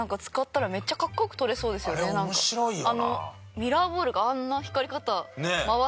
ミラーボールがあんな光り方回って。